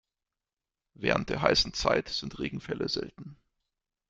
Während der heißen Zeit sind Regenfälle selten.